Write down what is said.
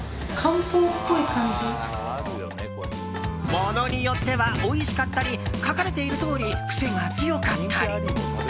ものによってはおいしかったり書かれているとおり癖が強かったり。